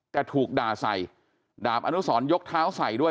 แต่ถูกด่าใส่ดาบอนุสรยกเท้าใส่ด้วย